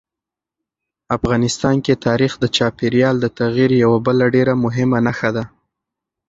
افغانستان کې تاریخ د چاپېریال د تغیر یوه بله ډېره مهمه نښه ده.